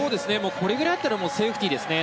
これぐらいだったらセーフティーですね。